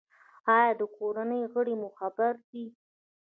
ایا د کورنۍ غړي مو خبر دي؟